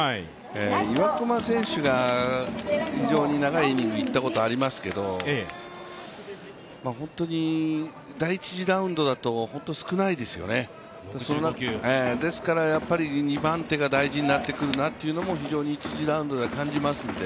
岩隈選手が、非常に長いイニングいったことありますけど、本当に第１次ラウンドだと少ないですよね、ですから２番手が大事になってくるなというのも非常に１次ラウンドでは感じますので。